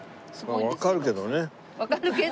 「わかるけどね」。